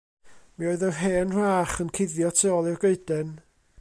Mi oedd yr hen wrach yn cuddio tu ôl i'r goeden.